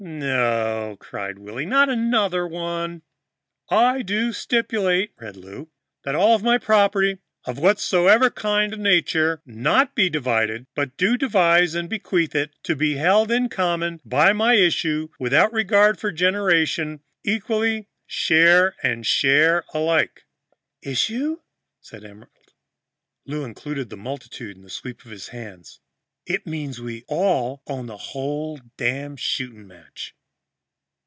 '" "No!" cried Willy. "Not another one!" "'I do stipulate,'" read Lou, "'that all of my property, of whatsoever kind and nature, not be divided, but do devise and bequeath it to be held in common by my issue, without regard for generation, equally, share and share alike.'" "Issue?" said Emerald. Lou included the multitude in a sweep of his hand. "It means we all own the whole damn shootin' match."